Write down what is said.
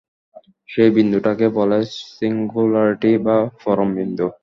সেই বিন্দুটাকে বলে সিঙ্গুলারিটি বা পরম বিন্দু।